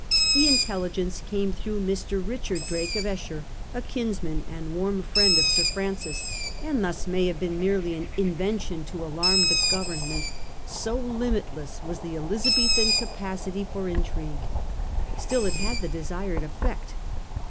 The intelligence came through Mr. Eichard Drake of Esher, a kinsman and warm friend of Sir Francis, and thus may have been merely an invention to alarm the Government, so limit less was the Elizabethan capacity for intrigue. Still it had the desired effect.